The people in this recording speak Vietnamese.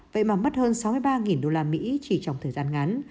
vậy mà mất hơn sáu mươi ba usd chỉ trong thời gian ngắn